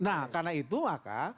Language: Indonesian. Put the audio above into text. nah karena itu maka